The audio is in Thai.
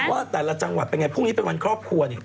ว่าแต่ละจังหวัดเป็นไงพรุ่งนี้เป็นวันครอบครัวนี่